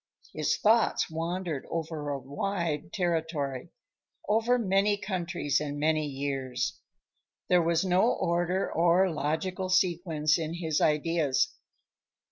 His thoughts wandered over a wide territory; over many countries and many years. There was no order or logical sequence in his ideas.